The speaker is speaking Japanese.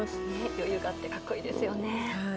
余裕があって格好いいですよね。